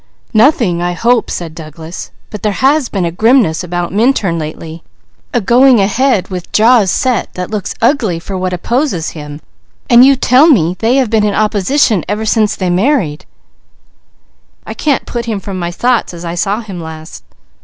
"Nothing, I hope," said Douglas, "but there has been a grimness about Minturn lately, a going ahead with jaws set that looks ugly for what opposes him, and you tell me they have been in opposition ever since they married. I can't put him from my thoughts as I saw him last."